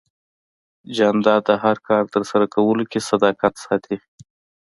جانداد د هر کار ترسره کولو کې صداقت ساتي.